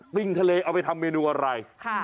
ปิ้งทะเลเอาไปทำเมนูอะไร